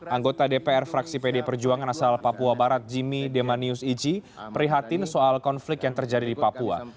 anggota dpr fraksi pd perjuangan asal papua barat jimmy demanius iji prihatin soal konflik yang terjadi di papua